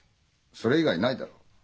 それ以外にないだろう？